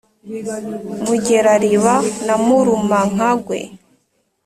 mugerariba na murumankagwe,